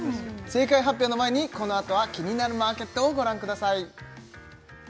正解発表の前にこのあとは「キニナルマーケット」をご覧ください